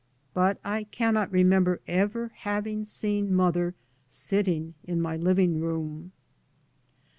But I cannot remember ever having seen mother sitting in my living room.